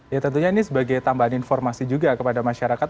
ya tentunya ini sebagai tambahan informasi juga kepada masyarakat